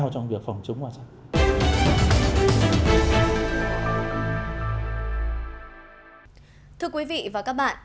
thưa quý vị và các bạn